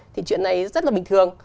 thì chuyện này rất là bình thường